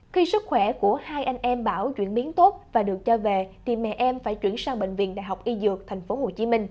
khi sức khỏe của hai anh em bảo chuyển biến tốt và được cho về thì mẹ em phải chuyển sang bệnh viện đại học y dược tp hcm